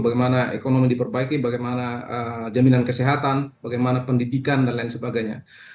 bagaimana ekonomi diperbaiki bagaimana jaminan kesehatan bagaimana pendidikan dan lain sebagainya